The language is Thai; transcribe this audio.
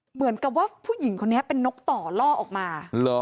เหมือนกับว่าผู้หญิงคนนี้เป็นนกต่อล่อออกมา